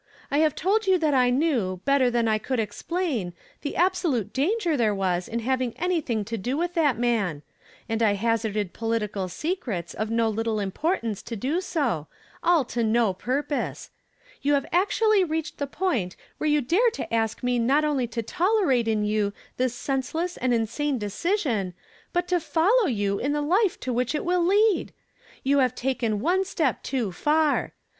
I have told you th icnew, better than I could exi)lain, the absolut tanger there was in having anything to do with that man; and I hazarded political secrets of no little importance to do so, all to no purpose. You have actually reached the point whci e you dare to ask me not oidy to tolerate in you this senseless and insane decision, but to follow you in the life to which it will lead! You have taken one step too far.